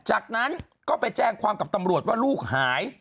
จากนั้นก็ไปแจ้งความกับตำรวจว่าลูกหาย